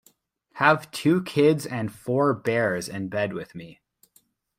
Have two kids and four bears in bed with me.